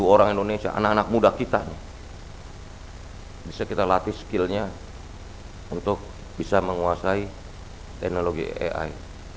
dua ratus sepuluh orang indonesia anak anak muda kita bisa kita latih skill nya untuk bisa menguasai teknologi ai